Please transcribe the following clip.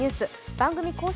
番組公式